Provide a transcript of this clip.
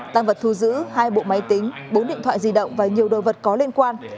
tăng vật thu giữ hai bộ máy tính bốn điện thoại di động và nhiều đồ vật có liên quan